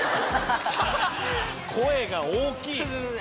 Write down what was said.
声が大きい！